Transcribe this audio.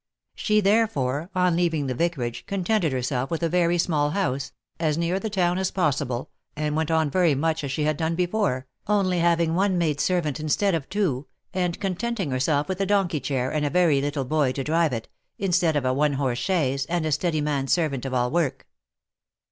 She therefore, on leaving the vicarage, contented herself with a very small house, as near the town as possible, and went on very much as she had done before, only having one maid servant instead of two, and contenting herself with a donkey chair and a very little boy to drive it, instead of a one horse chaise, and a steady man servant of all work.